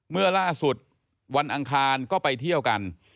เมื่อล่าสุดวันอังคารก็ไปเที่ยวกัน